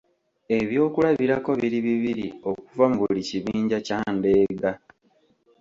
Ebyokulabirako bibiri bibiri okuva mu buli kibinja kya ndeega.